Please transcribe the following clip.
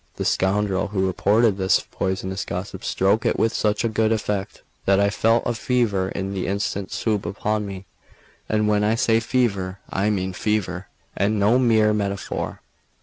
The scoundrel who reported this poisonous gossip spoke it with such good effect that I felt a fever in the instant swoop upon me; and when I say fever, I mean fever, and no mere metaphor.